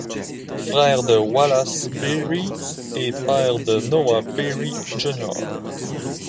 Frère de Wallace Beery, et père de Noah Beery Jr..